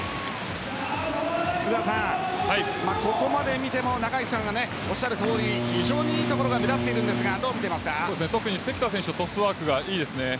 福澤さん、ここまで見ても中垣内さんがおっしゃるとおり非常に良いところが目立っているんですが特に関田選手のトスワークがいいですね。